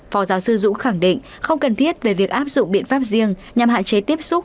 phó giáo sư dũng khẳng định không cần thiết về việc áp dụng biện pháp riêng nhằm hạn chế tiếp xúc